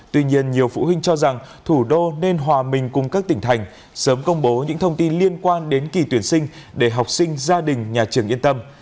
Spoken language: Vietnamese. tuy nhiên nhiều phụ huynh cho rằng thủ đô nên hòa mình cùng các tỉnh thành sớm công bố những thông tin liên quan đến kỳ tuyển sinh để học sinh gia đình nhà trường yên tâm